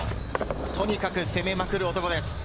とにかく攻めまくる男です。